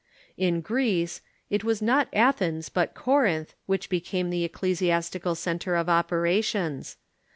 In Greece, it was not Athens, but Corinth, Avhich be came the ecclesiastical centre of operations.